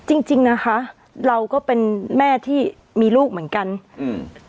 จริงจริงนะคะเราก็เป็นแม่ที่มีลูกเหมือนกันอืม